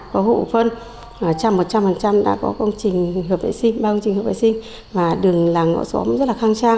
có hộ phân trăm một trăm linh đã có công trình hợp vệ sinh bao công trình hợp vệ sinh và đường làng ngõ xóm rất là khang trang